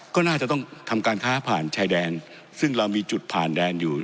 ก็น่าจะต้องทำการค้าผ่านชายแดนซึ่งเรามีจุดผ่านแดนอยู่